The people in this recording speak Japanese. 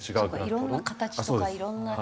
いろんな形とかいろんな。